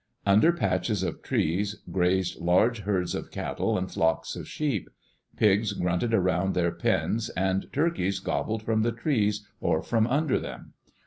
Under patches of trees grazed large herds of cattle and flocks of sheep. Pigs grunted around their pens, and tur keys gobbled from the trees or from under them.